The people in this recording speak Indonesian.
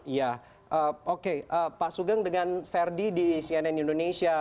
iya oke pak sugeng dengan verdi di cnn indonesia